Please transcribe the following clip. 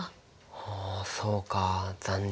はあそうか残念。